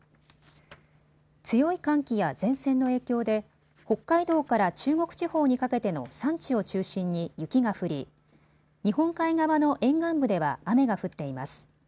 強い寒気や前線の影響で北海道から中国地方にかけての山地を中心に雪が降り、日本海側の沿岸部では雨が降っています。